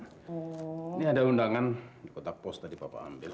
ini ada undangan di kotak pos tadi papa ambil